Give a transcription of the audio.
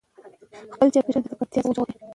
خپل چاپېریال د ککړتیا څخه وژغورئ.